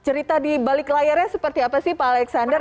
cerita di balik layarnya seperti apa sih pak alexander